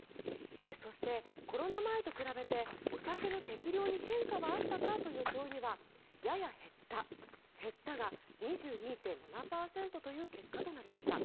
そして、コロナ前と比べてお酒の適量に変化はあったか？という問いにはやや減った・減ったが２２．７％という結果となりました。